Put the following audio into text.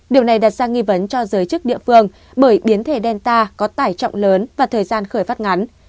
điều này đặt ra nghi vấn cho giới chức địa phương bởi biến thể delta có tải trọng lớn và thời gian khởi phát ngắn